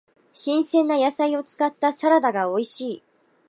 新鮮な野菜を使ったサラダが美味しい。